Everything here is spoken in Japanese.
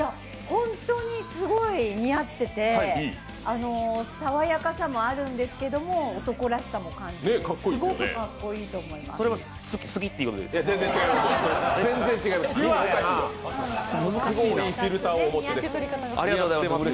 本当にすごい似合ってて爽やかさもあるんですけど、男らしさも感じられてすごくかっこいいと思います。